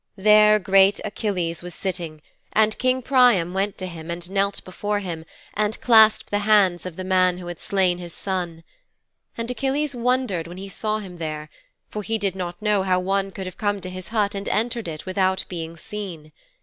There great Achilles was sitting and King Priam went to him and knelt before him and clasped the hands of the man who had slain his son. And Achilles wondered when he saw him there, for he did not know how one could have come to his hut and entered it without being seen.